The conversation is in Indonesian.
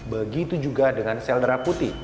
begitu juga dengan sel darah putih